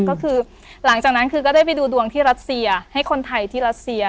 ก็คือหลังจากนั้นคือก็ได้ไปดูดวงที่รัสเซียให้คนไทยที่รัสเซีย